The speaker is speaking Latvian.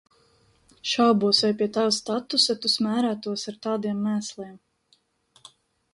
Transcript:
Šaubos, vai pie tava statusa tu smērētos ar tādiem mēsliem.